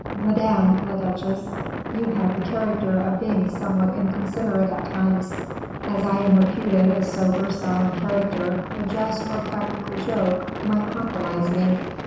"Madame la duchesse, you have the character of being somewhat inconsiderate at times, as I am reputed a sober, solemn character, a jest or practical joke might compromise me."